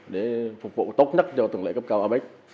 để phục vụ tốt nhất cho tường lệ cấp cao apec